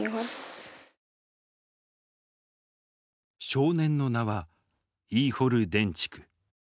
少年の名はイーホル・デンチク。